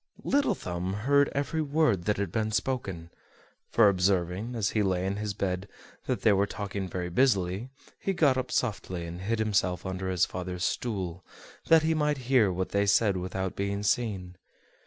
Little Thumb heard every word that had been spoken; for observing, as he lay in his bed, that they were talking very busily, he got up softly, and hid himself under his father's stool, that he might hear what they said without being seen.